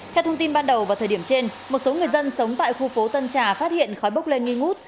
theo thông tin ban đầu vào thời điểm trên một số người dân sống tại khu phố tân trà phát hiện khói bốc lên nghi ngút